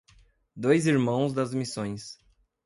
Dois Irmãos das Missões